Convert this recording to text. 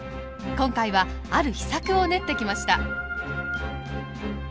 今回はある秘策を練ってきました。